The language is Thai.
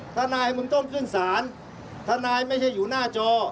ทนายมึงต้องขึ้นศาลทนายไม่ใช่อยู่หน้าจอ